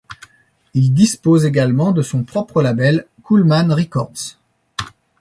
Il dispose également de son propre label, Coolman Records.